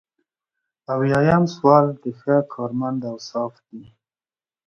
اویایم سوال د ښه کارمند اوصاف دي.